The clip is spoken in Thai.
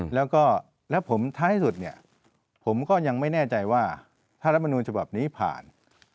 แล้วก็แล้วผมท้ายที่สุดเนี่ยผมก็ยังไม่แน่ใจว่าถ้ารัฐมนูลฉบับนี้ผ่าน